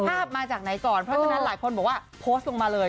มาจากไหนก่อนเพราะฉะนั้นหลายคนบอกว่าโพสต์ลงมาเลย